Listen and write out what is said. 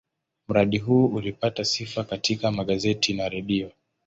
Mradi huu ulipata sifa katika magazeti na redio.